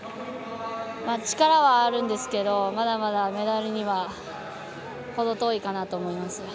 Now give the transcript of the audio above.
力はあるんですけどまだまだメダルには程遠いかなと思います。